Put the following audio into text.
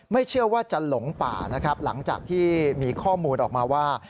เชื่อว่าจะหลงป่านะครับหลังจากที่มีข้อมูลออกมาว่า